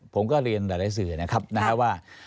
ผมก็เรียนหลายสื่อนะครับนะฮะว่า